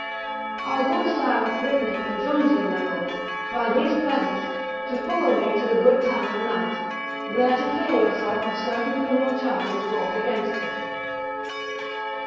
" Our good Sire of Brittany enjoins you, my lord, by these presents, to follow me to the good town of Nantes, there to clear yourself of certain criminal charges brought against you."